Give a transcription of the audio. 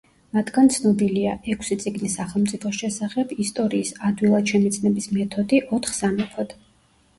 მათგან ცნობილია: „ექვსი წიგნი სახელმწიფოს შესახებ“, „ისტორიის ადვილად შემეცნების მეთოდი“, „ოთხ სამეფოდ“.